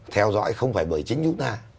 theo dõi không phải bởi chính chúng ta